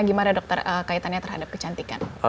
gimana dokter kaitannya terhadap kecantikan